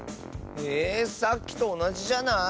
えさっきとおなじじゃない？